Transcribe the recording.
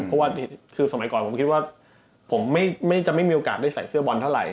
เพราะว่าคือสมัยก่อนผมคิดว่าผมจะไม่มีโอกาสได้ใส่เสื้อบอลเท่าไห